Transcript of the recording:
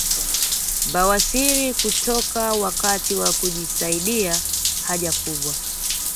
Bawasiri kutoka wakati wa kujisaidia haja kubwa